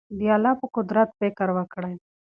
د الله په قدرت فکر وکړئ.